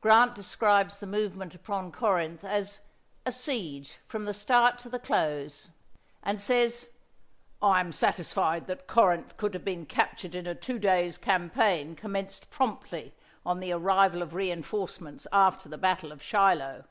Grant describes the movement upon Corinth as "a siege from the start to the close" and says, "I am satisfied that Corinth could have been captured in a two days' campaign commenced promptly on the arrival of reinforcements after the battle of Shiloh."